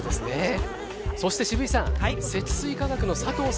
そして、渋井さん積水化学の佐藤早